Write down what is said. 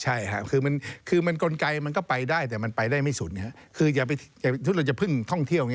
ใช่ค่ะคือมันกลไกมันก็ไปได้เผ่นนี่คือเราจะพึ่งท่องเที่ยว